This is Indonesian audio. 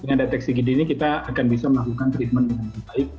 dengan deteksi gini kita akan bisa melakukan treatment dengan baik